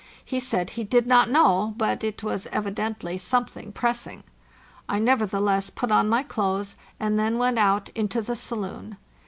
He said he did not know, but it was evidently something pressing. I never theless put on my clothes, and then went out into the saloon.